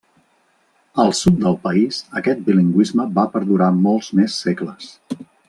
Al sud del país aquest bilingüisme va perdurar molts més segles.